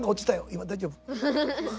今大丈夫？